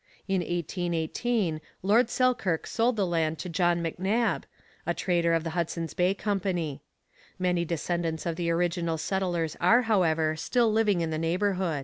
In 1818 Lord Selkirk sold the land to John M'Nab, a trader of the Hudson's Bay Company. Many descendants of the original settlers are, however, still living in the neighbourhood.